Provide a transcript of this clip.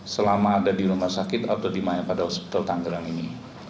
selama ada di rumah sakit atau di mayapada hospital tangerang ini